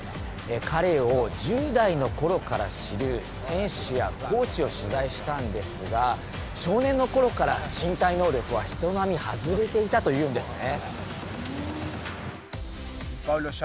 彼を１０代のころから知る選手やコーチを取材したんですが、少年のころから身体能力は人並外れていたというんですね。